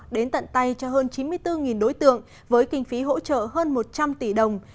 đến tận tay cho hơn chín mươi bốn đối tượng với kinh phí hỗ trợ hơn một trăm linh tỷ đồng